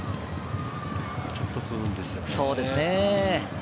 ちょっと不運ですよね。